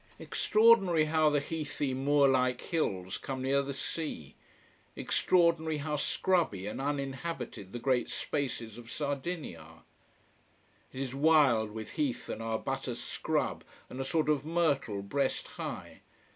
Extraordinary how the heathy, moor like hills come near the sea: extraordinary how scrubby and uninhabited the great spaces of Sardinia are. It is wild, with heath and arbutus scrub and a sort of myrtle, breast high.